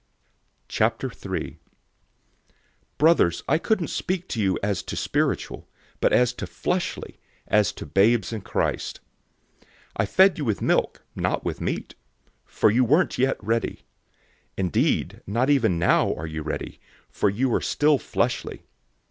003:001 Brothers, I couldn't speak to you as to spiritual, but as to fleshly, as to babies in Christ. 003:002 I fed you with milk, not with meat; for you weren't yet ready. Indeed, not even now are you ready, 003:003 for you are still fleshly.